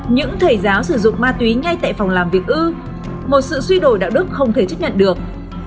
những thầy giáo sử dụng ma túy ngay tại phòng làm việc ư một sự suy đổi đạo đức không thể chấp nhận được